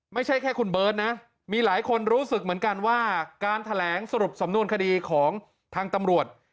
ไม่ใช่แค่คุณเบิร์ตนะมีหลายคนรู้สึกเหมือนกันว่าการแถลงสรุปสำนวนคดีของทางตำรวจ